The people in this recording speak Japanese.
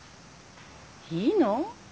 いいの？